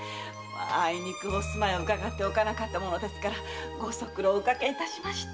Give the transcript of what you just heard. あいにくお住まいを伺っておかなかったものですからご足労をおかけいたしました。